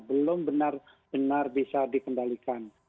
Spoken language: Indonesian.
belum benar benar bisa dikendalikan